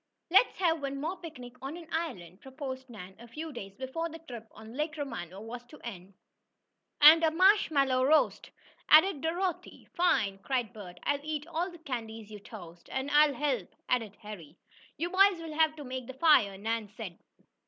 "Let's have one more picnic on an island!" proposed Nan, a few days before the trip on Lake Romano was to end. "And a marshmallow roast!" added Dorothy. "Fine!" cried Bert. "I'll eat all the candies you toast!" "And I'll help!" added Harry. "You boys will have to make the fire," Nan said.